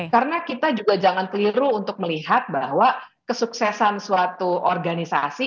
karena kita juga jangan keliru untuk melihat bahwa kesuksesan suatu organisasi